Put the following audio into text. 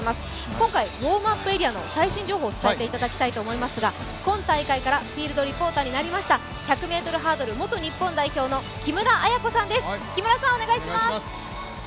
今回ウォームアップエリアの最新情報を伝えてもらいたいと思いますが、今大会からフィールドリポーターになりました１００ｍハードル元日本代表の木村文子さんです。